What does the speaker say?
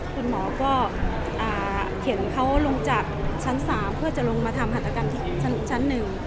คุณหมอก็เข็นเขาลงจากชั้น๓เพื่อจะลงมาทำหัตกรรมที่ชั้น๑